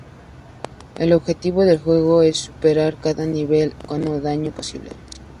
El objetivo del juego es superar cada nivel con el mínimo de daño posible.